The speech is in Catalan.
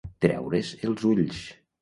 Treure's els ulls.